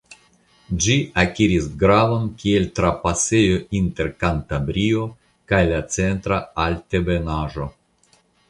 Ĝi akiris gravon kiel trapasejo inter Kantabrio kaj la Centra Altebenaĵo.